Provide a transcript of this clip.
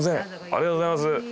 ありがとうございます。